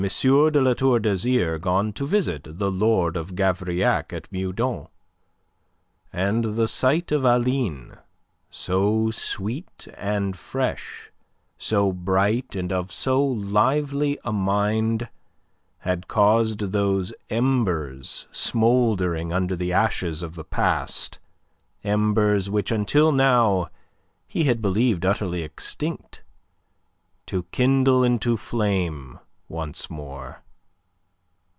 de La Tour d'Azyr gone to visit the Lord of Gavrillac at Meudon, and the sight of Aline, so sweet and fresh, so bright and of so lively a mind, had caused those embers smouldering under the ashes of the past, embers which until now he had believed utterly extinct, to kindle into flame once more.